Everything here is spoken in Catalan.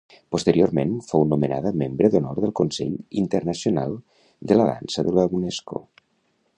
Posteriorment, fou nomenada membre d'Honor del Consell Internacional de la Dansa de la Unesco.